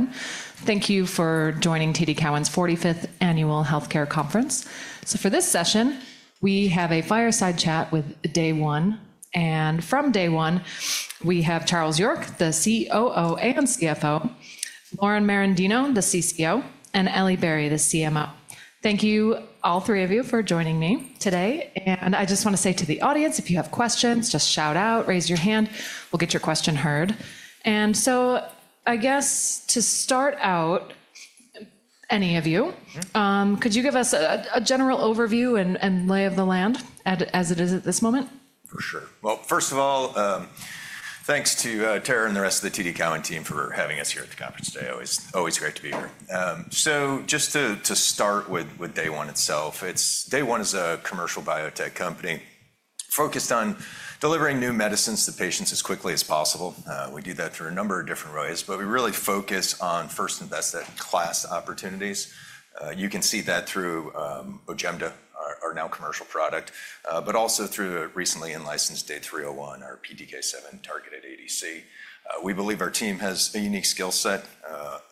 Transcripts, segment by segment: Thank you for joining TD Cowen's 45th Annual Healthcare Conference. For this session, we have a fireside chat with Day One. From Day One, we have Charles York, the COO and CFO, Lauren Merendino, the CCO, and Elly Barry, the CMO. Thank you, all three of you, for joining me today. I just want to say to the audience, if you have questions, just shout out, raise your hand, we will get your question heard. I guess to start out, any of you, could you give us a general overview and lay of the land as it is at this moment? For sure. First of all, thanks to Tara and the rest of the TD Cowen team for having us here at the conference today. Always great to be here. Just to start with Day One itself, Day One is a commercial biotech company focused on delivering new medicines to patients as quickly as possible. We do that through a number of different ways, but we really focus on first-in-class opportunities. You can see that through OJEMDA, our now commercial product, but also through a recently in-licensed DAY301, our PTK7-targeted ADC. We believe our team has a unique skill set,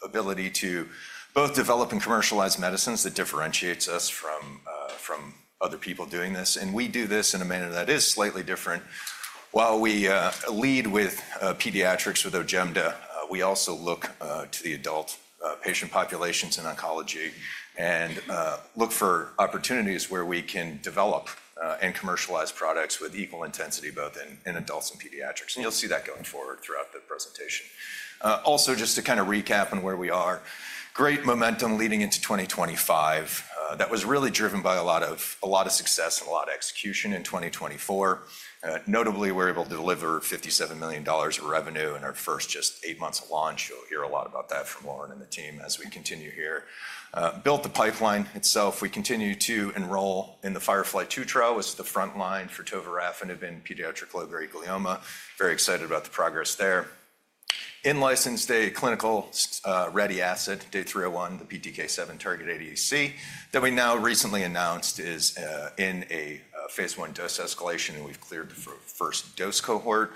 ability to both develop and commercialize medicines that differentiates us from other people doing this. We do this in a manner that is slightly different. While we lead with pediatrics with OJEMDA, we also look to the adult patient populations in oncology and look for opportunities where we can develop and commercialize products with equal intensity, both in adults and pediatrics. You will see that going forward throughout the presentation. Also, just to kind of recap on where we are, great momentum leading into 2025. That was really driven by a lot of success and a lot of execution in 2024. Notably, we were able to deliver $57 million of revenue in our first just eight months of launch. You will hear a lot about that from Lauren and the team as we continue here. Built the pipeline itself. We continue to enroll in the FIREFLY-2 trial. It is the front line for tovorafenib and ribociclib, pediatric low-grade glioma. Very excited about the progress there. In-licensed a clinical ready asset, DAY301, the PTK7-targeted ADC that we now recently announced is in a phase I dose escalation. We've cleared the first dose cohort,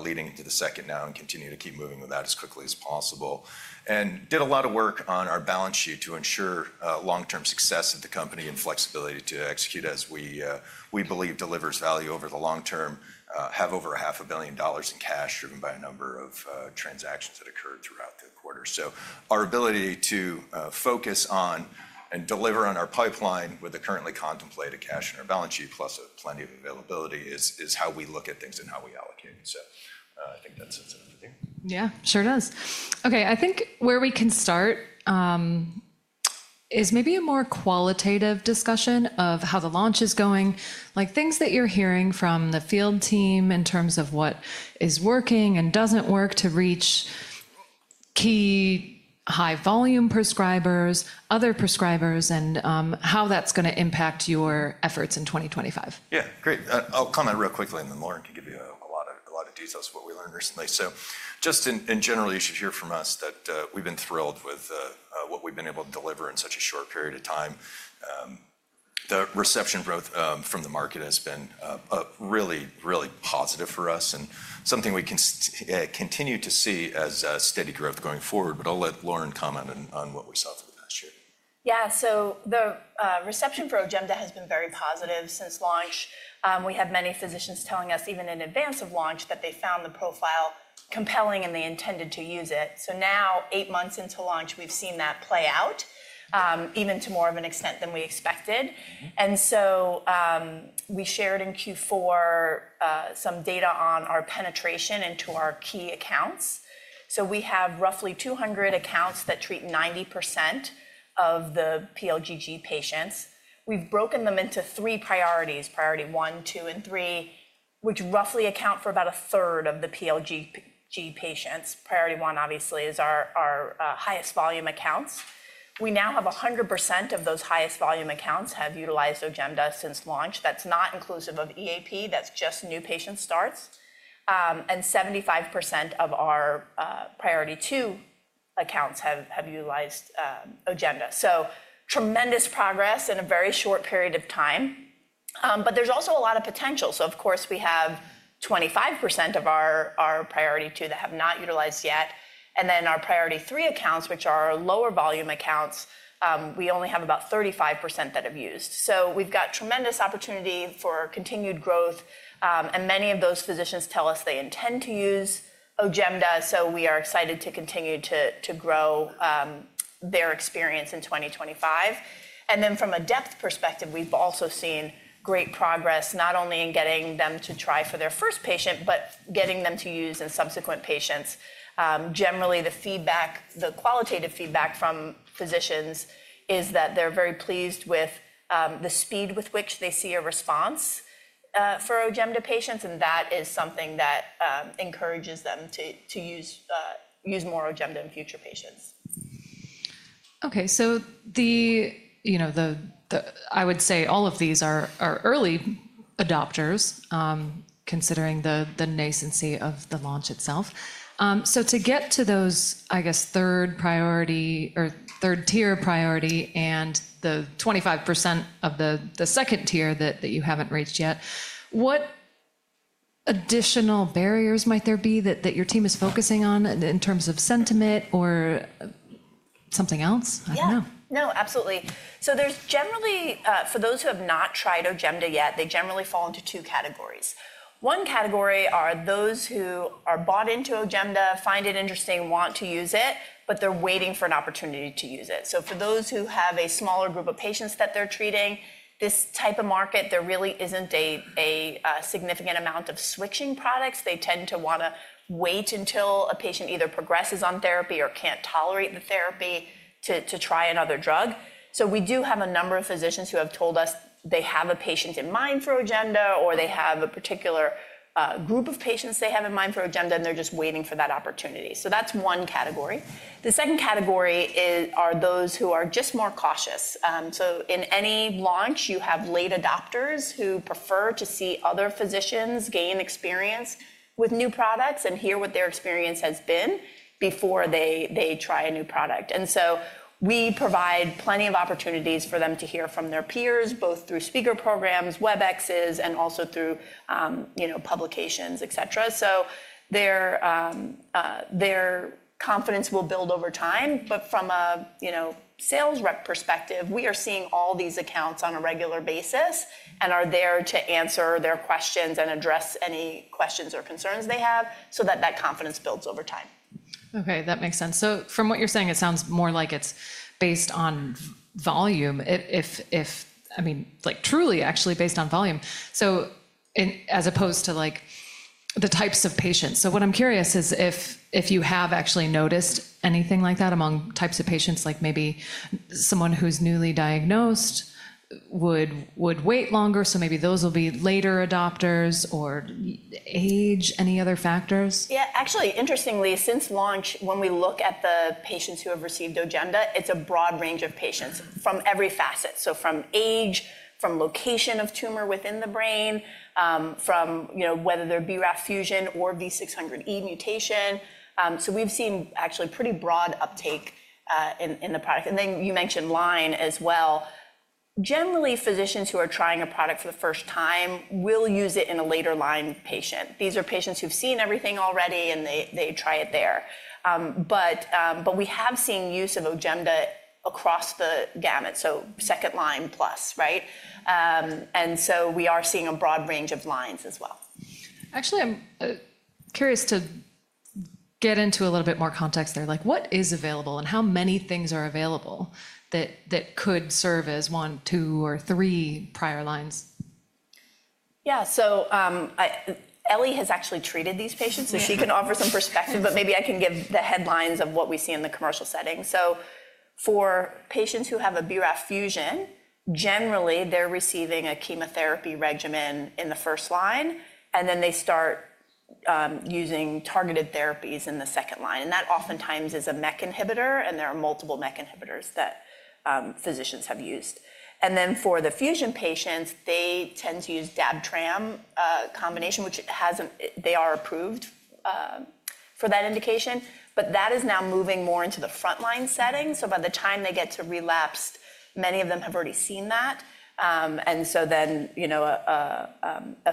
leading to the second now, and continue to keep moving with that as quickly as possible. Did a lot of work on our balance sheet to ensure long-term success of the company and flexibility to execute as we believe delivers value over the long term. Have over $500,000,000 in cash driven by a number of transactions that occurred throughout the quarter. Our ability to focus on and deliver on our pipeline with the currently contemplated cash in our balance sheet, plus plenty of availability, is how we look at things and how we allocate it. I think that sets it up for you. Yeah, sure does. Okay, I think where we can start is maybe a more qualitative discussion of how the launch is going. Like things that you're hearing from the field team in terms of what is working and doesn't work to reach key high-volume prescribers, other prescribers, and how that's going to impact your efforts in 2025. Yeah, great. I'll comment real quickly on them, Lauren, to give you a lot of details of what we learned recently. Just in general, you should hear from us that we've been thrilled with what we've been able to deliver in such a short period of time. The reception growth from the market has been really, really positive for us and something we can continue to see as steady growth going forward. I'll let Lauren comment on what we saw for the past year. Yeah, the reception for OJEMDA has been very positive since launch. We had many physicians telling us even in advance of launch that they found the profile compelling and they intended to use it. Now, eight months into launch, we've seen that play out even to more of an extent than we expected. We shared in Q4 some data on our penetration into our key accounts. We have roughly 200 accounts that treat 90% of the pLGG patients. We've broken them into three priorities: Priority One, Two, and Three, which roughly account for about a third of the pLGG patients. Priority One, obviously, is our highest volume accounts. We now have 100% of those highest volume accounts have utilized OJEMDA since launch. That's not inclusive of EAP. That's just new patient starts. 75% of our Priority Two accounts have utilized OJEMDA. Tremendous progress in a very short period of time. There is also a lot of potential. We have 25% of our Priority Two that have not utilized yet. Our Priority Three accounts, which are our lower volume accounts, we only have about 35% that have used. We have tremendous opportunity for continued growth. Many of those physicians tell us they intend to use OJEMDA. We are excited to continue to grow their experience in 2025. From a depth perspective, we have also seen great progress, not only in getting them to try for their first patient, but getting them to use in subsequent patients. Generally, the qualitative feedback from physicians is that they are very pleased with the speed with which they see a response for OJEMDA patients. That is something that encourages them to use more OJEMDA in future patients. Okay, I would say all of these are early adopters, considering the nascency of the launch itself. To get to those, I guess, third priority or third tier priority and the 25% of the second tier that you haven't reached yet, what additional barriers might there be that your team is focusing on in terms of sentiment or something else? I don't know. Yeah, no, absolutely. There is generally, for those who have not tried OJEMDA yet, they generally fall into two categories. One category are those who are bought into OJEMDA, find it interesting, want to use it, but they are waiting for an opportunity to use it. For those who have a smaller group of patients that they are treating, this type of market, there really is not a significant amount of switching products. They tend to want to wait until a patient either progresses on therapy or cannot tolerate the therapy to try another drug. We do have a number of physicians who have told us they have a patient in mind for OJEMDA or they have a particular group of patients they have in mind for OJEMDA, and they are just waiting for that opportunity. That is one category. The second category are those who are just more cautious. In any launch, you have late adopters who prefer to see other physicians gain experience with new products and hear what their experience has been before they try a new product. We provide plenty of opportunities for them to hear from their peers, both through speaker programs, Webexes, and also through publications, et cetera. Their confidence will build over time. From a sales rep perspective, we are seeing all these accounts on a regular basis and are there to answer their questions and address any questions or concerns they have so that that confidence builds over time. Okay, that makes sense. From what you're saying, it sounds more like it's based on volume, if I mean, like truly actually based on volume, as opposed to like the types of patients. What I'm curious is if you have actually noticed anything like that among types of patients, like maybe someone who's newly diagnosed would wait longer. Maybe those will be later adopters or age, any other factors? Yeah, actually, interestingly, since launch, when we look at the patients who have received OJEMDA, it's a broad range of patients from every facet. From age, from location of tumor within the brain, from whether they're BRAF fusion or V600E mutation. We've seen actually pretty broad uptake in the product. You mentioned line as well. Generally, physicians who are trying a product for the first time will use it in a later line patient. These are patients who've seen everything already and they try it there. We have seen use of OJEMDA across the gamut. Second line plus, right? We are seeing a broad range of lines as well. Actually, I'm curious to get into a little bit more context there. Like what is available and how many things are available that could serve as one, two, or three prior lines? Yeah, so Elly has actually treated these patients, so she can offer some perspective, but maybe I can give the headlines of what we see in the commercial setting. For patients who have a BRAF fusion, generally they're receiving a chemotherapy regimen in the first line, and then they start using targeted therapies in the second line. That oftentimes is a MEK inhibitor, and there are multiple MEK inhibitors that physicians have used. For the fusion patients, they tend to use Dabrafenib combination, which they are approved for that indication. That is now moving more into the front line setting. By the time they get to relapse, many of them have already seen that.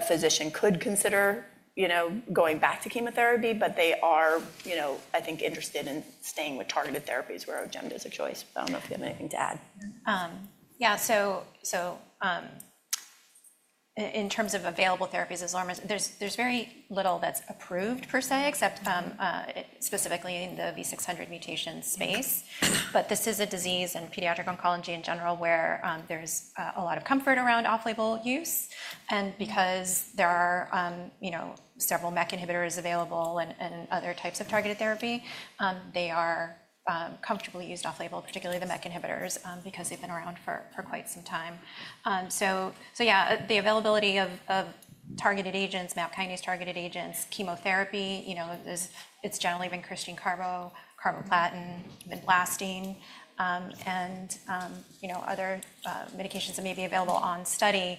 A physician could consider going back to chemotherapy, but they are, I think, interested in staying with targeted therapies where OJEMDA is a choice. I don't know if you have anything to add. Yeah. In terms of available therapies, as Lauren was, there's very little that's approved per se, except specifically in the V600 mutation space. This is a disease in pediatric oncology in general where there's a lot of comfort around off-label use. Because there are several MEK inhibitors available and other types of targeted therapy, they are comfortably used off-label, particularly the MEK inhibitors, because they've been around for quite some time. The availability of targeted agents, MAP kinase targeted agents, chemotherapy, it's generally been carboplatin, bendamustine, and other medications that may be available on study.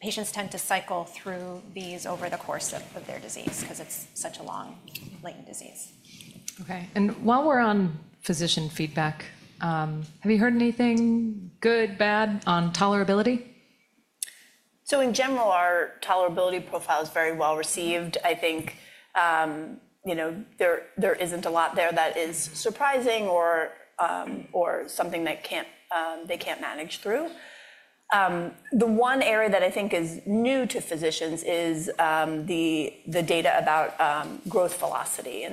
Patients tend to cycle through these over the course of their disease because it's such a long, latent disease. Okay. While we're on physician feedback, have you heard anything good or bad on tolerability? In general, our tolerability profile is very well received. I think there isn't a lot there that is surprising or something that they can't manage through. The one area that I think is new to physicians is the data about growth velocity.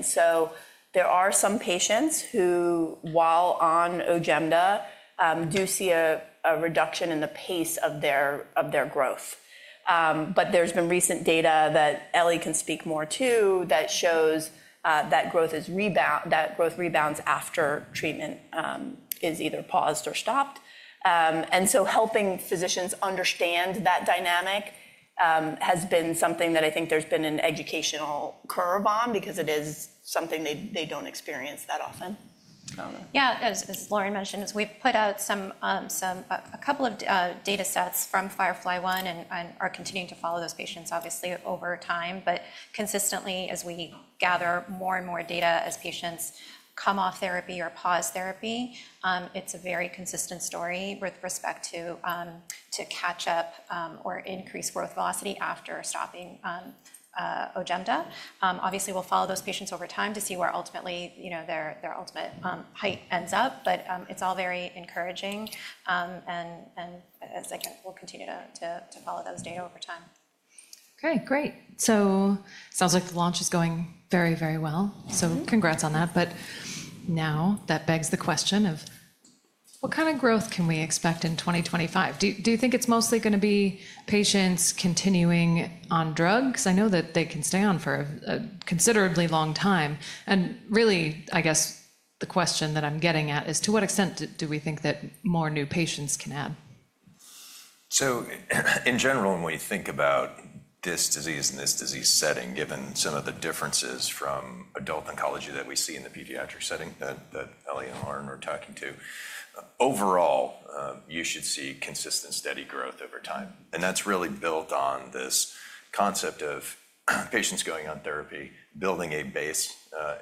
There are some patients who, while on OJEMDA, do see a reduction in the pace of their growth. There has been recent data that Elly can speak more to that shows that growth rebounds after treatment is either paused or stopped. Helping physicians understand that dynamic has been something that I think there's been an educational curve on because it is something they don't experience that often. Yeah, as Lauren mentioned, we've put out a couple of data sets from FIREFLY-1 and are continuing to follow those patients, obviously, over time. Consistently, as we gather more and more data as patients come off therapy or pause therapy, it's a very consistent story with respect to catch up or increase growth velocity after stopping OJEMDA. Obviously, we'll follow those patients over time to see where ultimately their ultimate height ends up. It's all very encouraging. As I said, we'll continue to follow those data over time. Okay, great. It sounds like the launch is going very, very well. Congrats on that. Now that begs the question of what kind of growth can we expect in 2025? Do you think it's mostly going to be patients continuing on drugs? I know that they can stay on for a considerably long time. I guess the question that I'm getting at is to what extent do we think that more new patients can add? In general, when we think about this disease and this disease setting, given some of the differences from adult oncology that we see in the pediatric setting that Elly and Lauren are talking to, overall, you should see consistent, steady growth over time. That's really built on this concept of patients going on therapy, building a base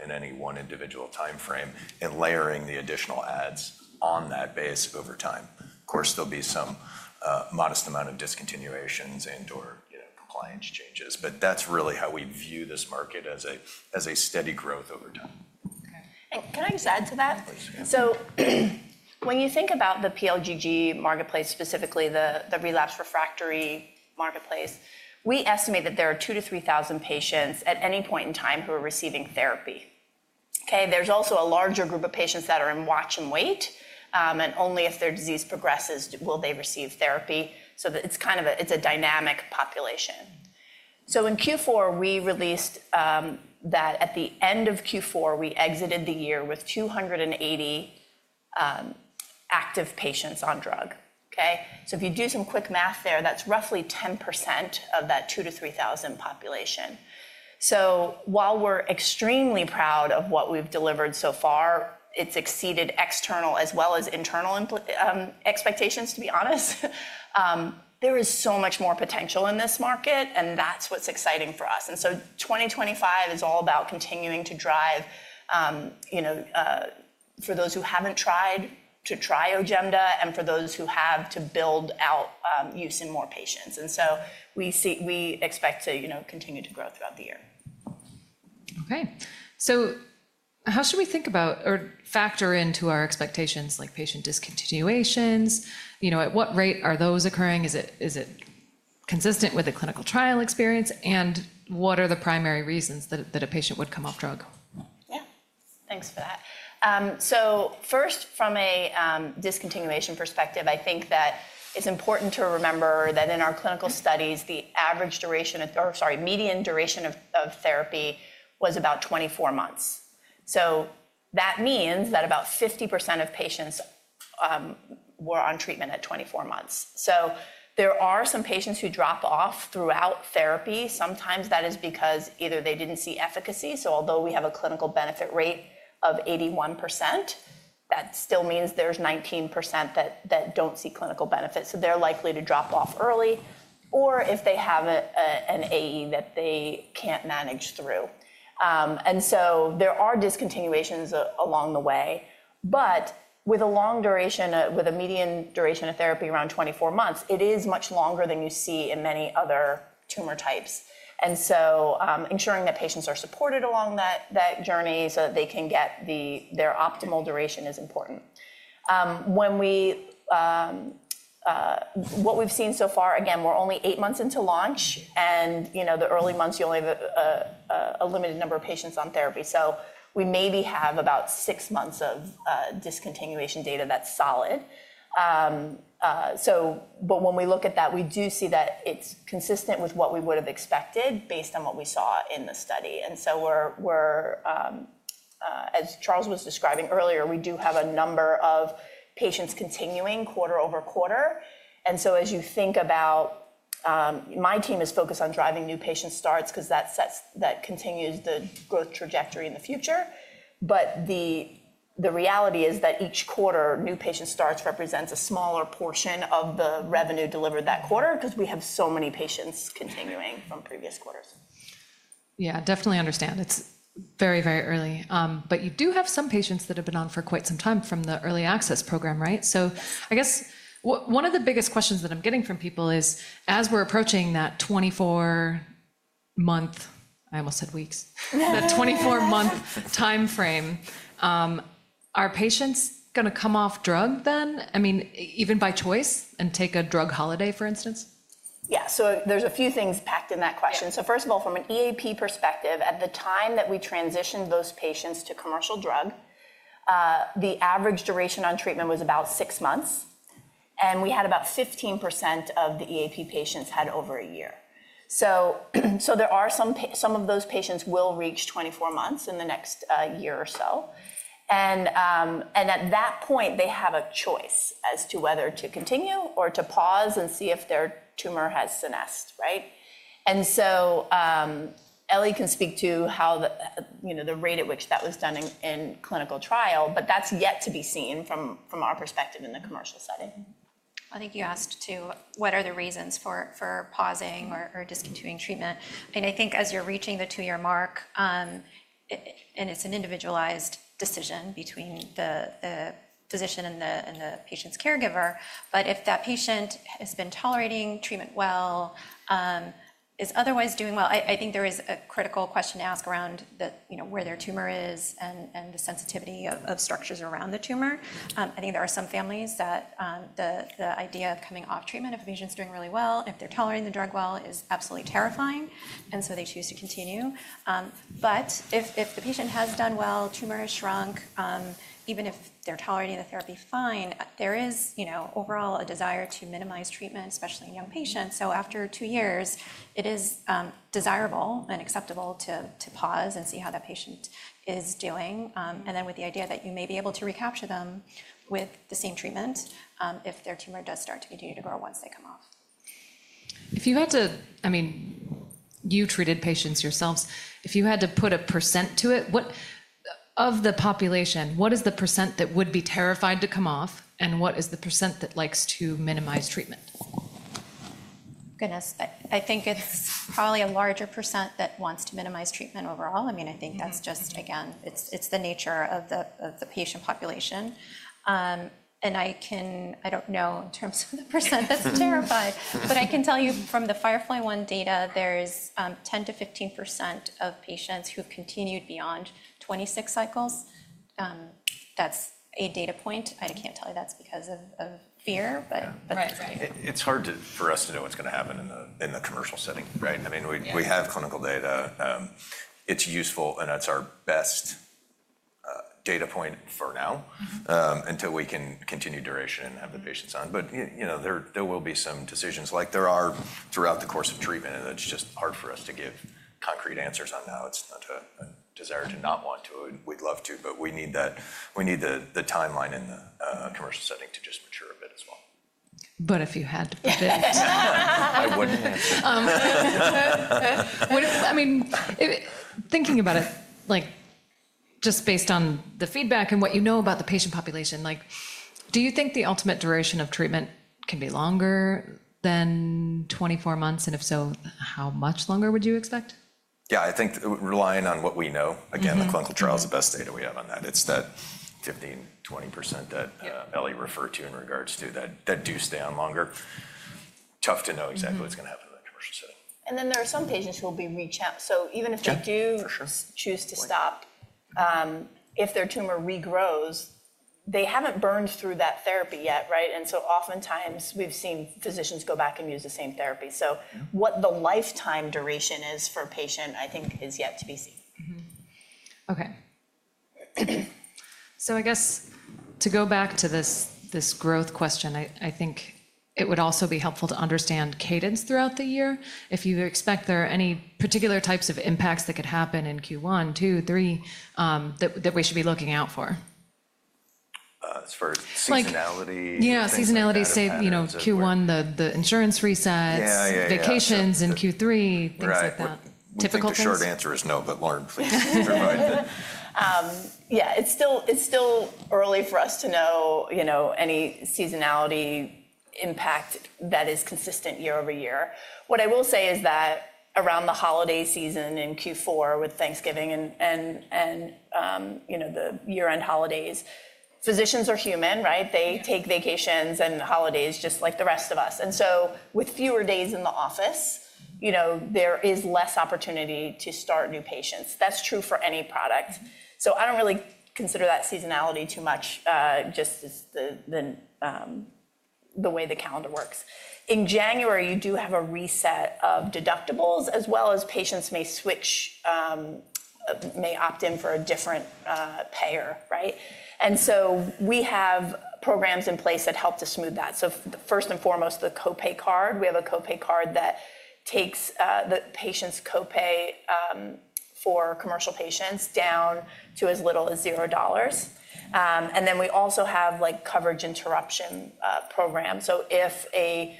in any one individual timeframe, and layering the additional adds on that base over time. Of course, there'll be some modest amount of discontinuations and/or compliance changes, but that's really how we view this market as a steady growth over time. Can I just add to that? When you think about the pLGG marketplace, specifically the relapsed/refractory marketplace, we estimate that there are 2,000-3,000 patients at any point in time who are receiving therapy. There is also a larger group of patients that are in watch and wait. Only if their disease progresses will they receive therapy. It is kind of a dynamic population. In Q4, we released that at the end of Q4, we exited the year with 280 active patients on drug. If you do some quick math there, that is roughly 10% of that 2,000-3,000 population. While we are extremely proud of what we have delivered so far, it has exceeded external as well as internal expectations, to be honest. There is so much more potential in this market, and that is what is exciting for us. The year 2025 is all about continuing to drive for those who have not tried to try OJEMDA and for those who have to build out use in more patients. We expect to continue to grow throughout the year. Okay. How should we think about or factor into our expectations like patient discontinuations? At what rate are those occurring? Is it consistent with a clinical trial experience? What are the primary reasons that a patient would come off drug? Yeah, thanks for that. First, from a discontinuation perspective, I think that it's important to remember that in our clinical studies, the median duration of therapy was about 24 months. That means that about 50% of patients were on treatment at 24 months. There are some patients who drop off throughout therapy. Sometimes that is because either they didn't see efficacy. Although we have a clinical benefit rate of 81%, that still means there's 19% that don't see clinical benefit. They're likely to drop off early or if they have an AE that they can't manage through. There are discontinuations along the way. With a long duration, with a median duration of therapy around 24 months, it is much longer than you see in many other tumor types. Ensuring that patients are supported along that journey so that they can get their optimal duration is important. What we've seen so far, again, we're only eight months into launch. In the early months, you only have a limited number of patients on therapy. We maybe have about six months of discontinuation data that's solid. When we look at that, we do see that it's consistent with what we would have expected based on what we saw in the study. As Charles was describing earlier, we do have a number of patients continuing quarter over quarter. As you think about it, my team is focused on driving new patient starts because that continues the growth trajectory in the future. The reality is that each quarter, new patient starts represents a smaller portion of the revenue delivered that quarter because we have so many patients continuing from previous quarters. Yeah, definitely understand. It's very, very early. You do have some patients that have been on for quite some time from the early access program, right? I guess one of the biggest questions that I'm getting from people is, as we're approaching that 24-month, I almost said weeks, that 24-month timeframe, are patients going to come off drug then, I mean, even by choice and take a drug holiday, for instance? Yeah. There are a few things packed in that question. First of all, from an EAP perspective, at the time that we transitioned those patients to commercial drug, the average duration on treatment was about six months. We had about 15% of the EAP patients with over a year. Some of those patients will reach 24 months in the next year or so. At that point, they have a choice as to whether to continue or to pause and see if their tumor has senesced, right? Elly can speak to the rate at which that was done in clinical trial, but that is yet to be seen from our perspective in the commercial setting. I think you asked too, what are the reasons for pausing or discontinuing treatment? I think as you're reaching the two-year mark, and it's an individualized decision between the physician and the patient's caregiver. If that patient has been tolerating treatment well, is otherwise doing well, I think there is a critical question to ask around where their tumor is and the sensitivity of structures around the tumor. I think there are some families that the idea of coming off treatment if a patient's doing really well, if they're tolerating the drug well, is absolutely terrifying. They choose to continue. If the patient has done well, tumor has shrunk, even if they're tolerating the therapy fine, there is overall a desire to minimize treatment, especially in young patients. After two years, it is desirable and acceptable to pause and see how that patient is doing. Then with the idea that you may be able to recapture them with the same treatment if their tumor does start to continue to grow once they come off. If you had to, I mean, you treated patients yourselves. If you had to put a % to it, of the population, what is the % that would be terrified to come off, and what is the % that likes to minimize treatment? Goodness. I think it's probably a larger percent that wants to minimize treatment overall. I mean, I think that's just, again, it's the nature of the patient population. I don't know in terms of the percent that's terrified. I can tell you from the FIREFLY-1 data, there's 10%-15% of patients who continued beyond 26 cycles. That's a data point. I can't tell you that's because of fear, but. It's hard for us to know what's going to happen in the commercial setting, right? I mean, we have clinical data. It's useful, and that's our best data point for now until we can continue duration and have the patients on. There will be some decisions like there are throughout the course of treatment, and it's just hard for us to give concrete answers on now. It's not a desire to not want to. We'd love to, but we need the timeline in the commercial setting to just mature a bit as well. If you had to pivot. I wouldn't answer. I mean, thinking about it just based on the feedback and what you know about the patient population, do you think the ultimate duration of treatment can be longer than 24 months? If so, how much longer would you expect? Yeah, I think relying on what we know, again, the clinical trial is the best data we have on that. It's that 15%-20% that Elly referred to in regards to that do stay on longer. Tough to know exactly what's going to happen in the commercial setting. There are some patients who will be reached out. Even if they do choose to stop, if their tumor regrows, they haven't burned through that therapy yet, right? Oftentimes, we've seen physicians go back and use the same therapy. What the lifetime duration is for a patient, I think, is yet to be seen. Okay. I guess to go back to this growth question, I think it would also be helpful to understand cadence throughout the year. If you expect there are any particular types of impacts that could happen in Q1, Q2, Q3 that we should be looking out for? As far as seasonality? Yeah, seasonality, Q1, the insurance resets, vacations in Q3, things like that. The short answer is no, but Lauren, please remind me. Yeah, it's still early for us to know any seasonality impact that is consistent year over year. What I will say is that around the holiday season in Q4 with Thanksgiving and the year-end holidays, physicians are human, right? They take vacations and holidays just like the rest of us. With fewer days in the office, there is less opportunity to start new patients. That's true for any product. I don't really consider that seasonality too much, just the way the calendar works. In January, you do have a reset of deductibles as well as patients may opt in for a different payer, right? We have programs in place that help to smooth that. First and foremost, the copay card. We have a copay card that takes the patient's copay for commercial patients down to as little as $0. We also have coverage interruption programs. If a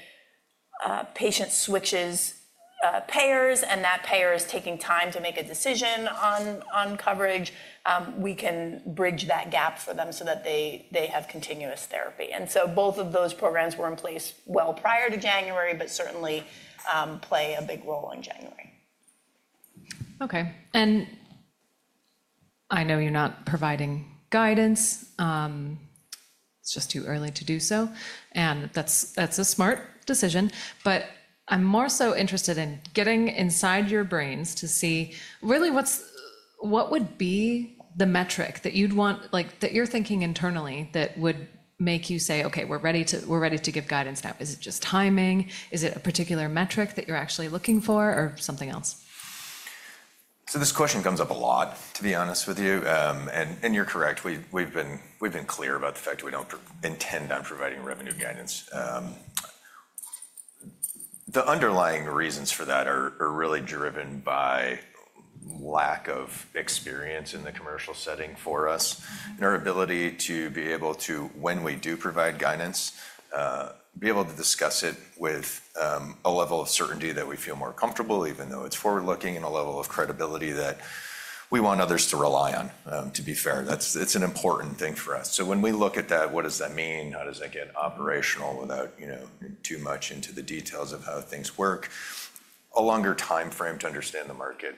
patient switches payers and that payer is taking time to make a decision on coverage, we can bridge that gap for them so that they have continuous therapy. Both of those programs were in place well prior to January, but certainly play a big role in January. Okay. I know you're not providing guidance. It's just too early to do so. That's a smart decision. I am more so interested in getting inside your brains to see really what would be the metric that you'd want, that you're thinking internally that would make you say, "Okay, we're ready to give guidance now." Is it just timing? Is it a particular metric that you're actually looking for or something else? This question comes up a lot, to be honest with you. You're correct. We've been clear about the fact that we don't intend on providing revenue guidance. The underlying reasons for that are really driven by lack of experience in the commercial setting for us and our ability to be able to, when we do provide guidance, be able to discuss it with a level of certainty that we feel more comfortable, even though it's forward-looking and a level of credibility that we want others to rely on, to be fair. It's an important thing for us. When we look at that, what does that mean? How does that get operational without too much into the details of how things work? A longer timeframe to understand the market,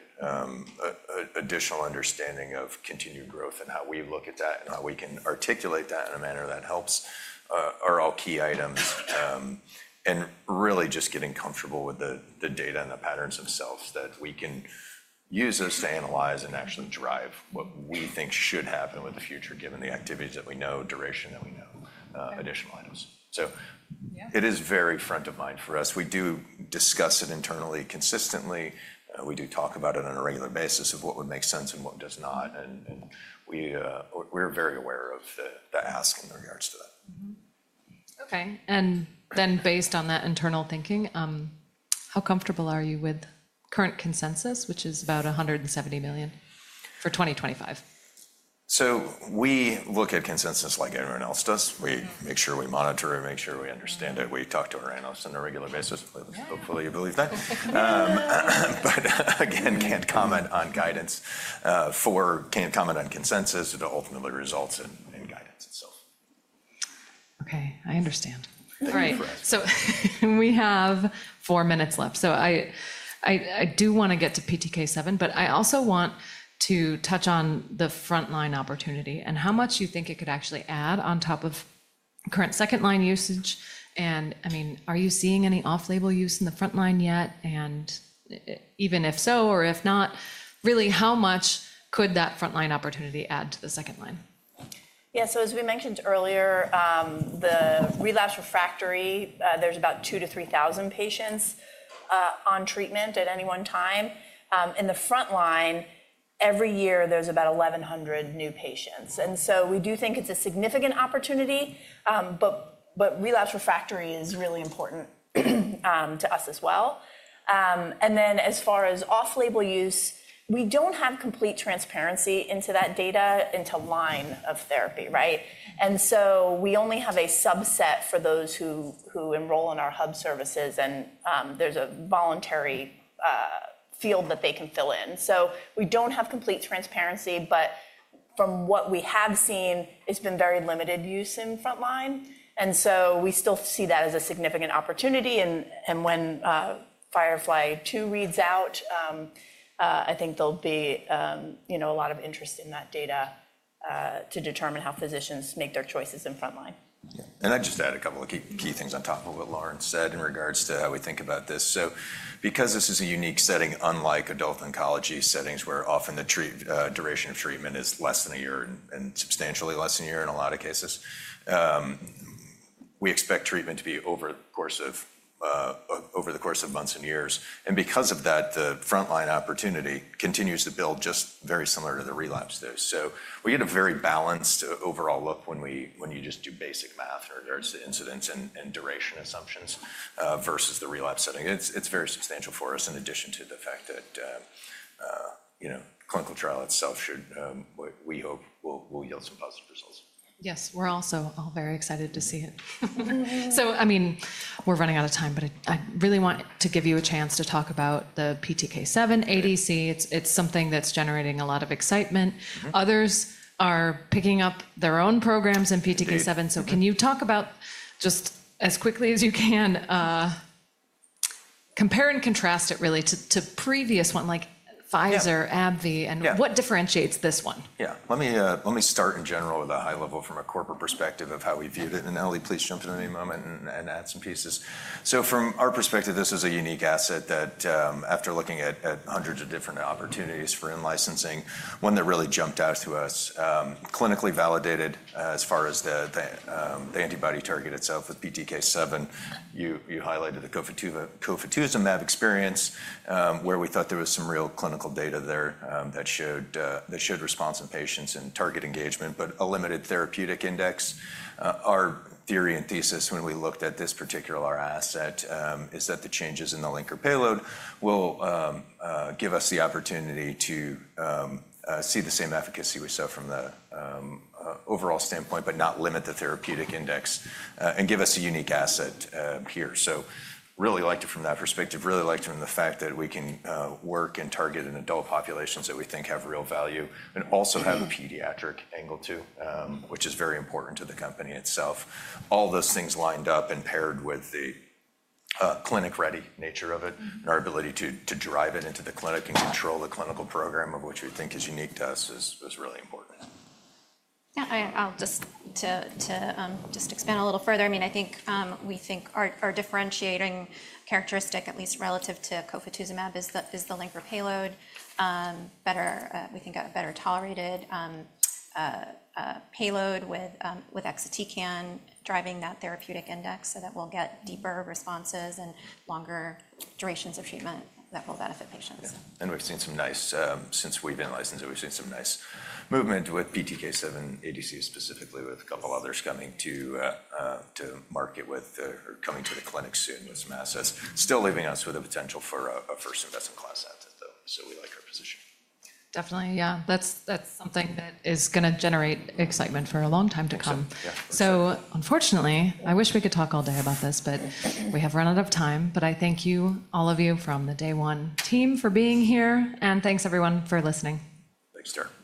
additional understanding of continued growth and how we look at that and how we can articulate that in a manner that helps are all key items. Really just getting comfortable with the data and the patterns themselves that we can use us to analyze and actually drive what we think should happen with the future given the activities that we know, duration that we know, additional items. It is very front of mind for us. We do discuss it internally consistently. We do talk about it on a regular basis of what would make sense and what does not. We're very aware of the ask in regards to that. Okay. Based on that internal thinking, how comfortable are you with current consensus, which is about $170 million for 2025? We look at consensus like everyone else does. We make sure we monitor it, make sure we understand it. We talk to our analysts on a regular basis. Hopefully, you believe that. Again, can't comment on guidance. Can't comment on consensus if it ultimately results in guidance itself. Okay. I understand. All right. We have four minutes left. I do want to get to PTK7, but I also want to touch on the frontline opportunity and how much you think it could actually add on top of current second-line usage. I mean, are you seeing any off-label use in the frontline yet? Even if so or if not, really, how much could that frontline opportunity add to the second line? Yeah. As we mentioned earlier, the relapsed/refractory, there's about 2,000-3,000 patients on treatment at any one time. In the frontline, every year, there's about 1,100 new patients. We do think it's a significant opportunity, but relapsed/refractory is really important to us as well. As far as off-label use, we don't have complete transparency into that data into line of therapy, right? We only have a subset for those who enroll in our hub services, and there's a voluntary field that they can fill in. We don't have complete transparency, but from what we have seen, it's been very limited use in frontline. We still see that as a significant opportunity. When FIREFLY-2 reads out, I think there'll be a lot of interest in that data to determine how physicians make their choices in frontline. I'd just add a couple of key things on top of what Lauren said in regards to how we think about this. Because this is a unique setting, unlike adult oncology settings where often the duration of treatment is less than a year and substantially less than a year in a lot of cases, we expect treatment to be over the course of months and years. Because of that, the frontline opportunity continues to build just very similar to the relapse days. We get a very balanced overall look when you just do basic math in regards to incidence and duration assumptions versus the relapse setting. It's very substantial for us in addition to the fact that clinical trial itself should, we hope, will yield some positive results. Yes. We're also all very excited to see it. I mean, we're running out of time, but I really want to give you a chance to talk about the PTK7 ADC. It's something that's generating a lot of excitement. Others are picking up their own programs in PTK7. Can you talk about just as quickly as you can, compare and contrast it really to previous ones like Pfizer, AbbVie, and what differentiates this one? Yeah. Let me start in general with a high level from a corporate perspective of how we viewed it. Elly, please jump in at any moment and add some pieces. From our perspective, this is a unique asset that after looking at hundreds of different opportunities for in-licensing, one that really jumped out to us, clinically validated as far as the antibody target itself with PTK7. You highlighted the Cofetuzumab experience where we thought there was some real clinical data there that showed response in patients and target engagement, but a limited therapeutic index. Our theory and thesis when we looked at this particular asset is that the changes in the linker payload will give us the opportunity to see the same efficacy we saw from the overall standpoint, but not limit the therapeutic index and give us a unique asset here. I really liked it from that perspective, really liked it from the fact that we can work and target in adult populations that we think have real value and also have a pediatric angle too, which is very important to the company itself. All those things lined up and paired with the clinic-ready nature of it and our ability to drive it into the clinic and control the clinical program, which we think is unique to us, is really important. Yeah. Just to expand a little further, I mean, I think we think our differentiating characteristic, at least relative to Cofetuzumab, is the linker payload. We think a better tolerated payload with exatecan driving that therapeutic index so that we'll get deeper responses and longer durations of treatment that will benefit patients. We have seen some nice movement since we have been licensed, we have seen some nice movement with PTK7 ADC specifically with a couple others coming to market or coming to the clinic soon with some assets. Still leaving us with a potential for a first-in-class asset, though. We like our position. Definitely. Yeah. That is something that is going to generate excitement for a long time to come. Unfortunately, I wish we could talk all day about this, but we have run out of time. I thank you, all of you from the Day One team for being here. Thanks, everyone, for listening. Thanks, Tara. Thanks.